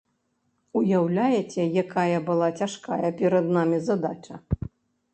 Уяўляеце, якая была цяжкая перад намі задача?